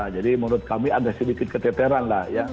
jadi menurut kami ada sedikit keteteran